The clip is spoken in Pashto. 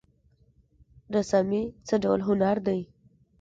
رسامي څه ډول هنر دی؟